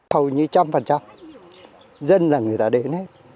hầu như trăm phần trăm dân là người ta đến